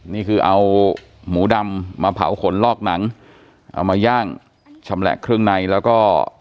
นี่คือเอาหมูดำมาเผาขนลอกหนังเอามาย่างชำแหละเครื่องในแล้วก็